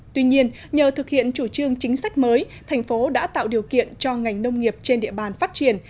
tuy nhiên nhờ thực hiện chủ trương chính sách mới thành phố đã tạo điều kiện cho ngành nông nghiệp trên địa bàn phát triển